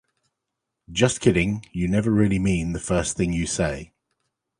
Just kidding You never really mean the first thing you say